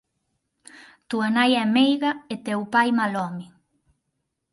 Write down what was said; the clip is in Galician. Túa nai é meiga e teu pai mal home